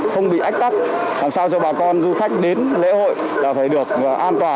không bị ách tắc làm sao cho bà con du khách đến lễ hội là phải được an toàn